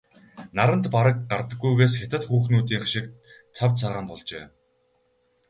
Наранд бараг гардаггүйгээс хятад хүүхнүүдийнх шиг цав цагаан болжээ.